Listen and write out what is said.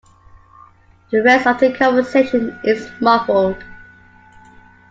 The rest of the conversation is muffled.